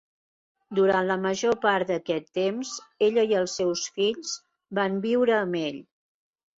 Durant la major part d'aquest temps ella i els seus fills van viure amb ell.